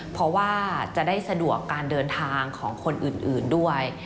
เพราะว่าจะได้สะดวกการเดินทางของคนอื่นด้วย